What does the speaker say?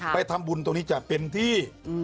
ไปทำบุญตรงนี้จะเป็นที่